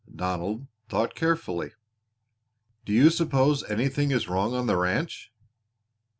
Donald thought carefully. "Do you suppose anything is wrong on the ranch?"